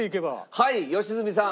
はい良純さん。